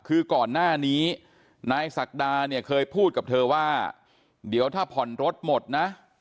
คือก่อนหน้านี้นายศักดาเนี่ยเคยพูดกับเธอว่าเดี๋ยวถ้าผ่อนรถหมดนะ